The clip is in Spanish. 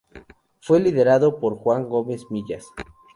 Fue liderado por Juan Gómez Millas.